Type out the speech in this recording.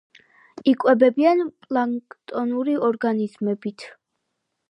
იკვებებიან პლანქტონური ორგანიზმებით.